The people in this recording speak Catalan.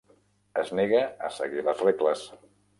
Es nega a seguir les regles.